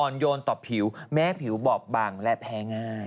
โยนต่อผิวแม้ผิวบอบบังและแพ้ง่าย